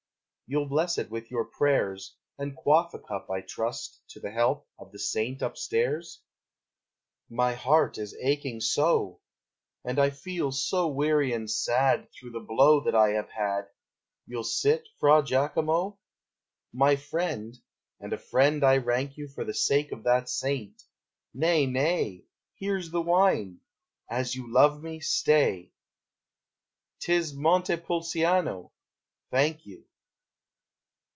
You'll bless it with your prayers, And quaff a cup, I trust, To the health of the saint up stairs? My heart is aching so! And I feel so weary and sad, Through the blow that I have had, You'll sit, Fra Giacomo? My friend! (and a friend I rank you For the sake of that saint,) nay, nay! Here's the wine, as you love me, stay! 'T is Montepulciano! Thank you.